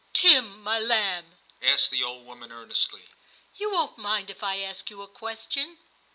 *Tim, my lamb,* asked the old woman earnestly, *you won't mind if I ask you a question